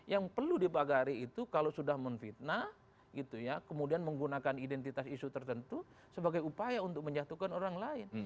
yang perlu dibagari itu kalau sudah menfitnah kemudian menggunakan identitas isu tertentu sebagai upaya untuk menjatuhkan orang lain